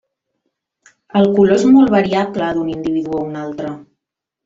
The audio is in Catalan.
El color és molt variable d'un individu a un altre.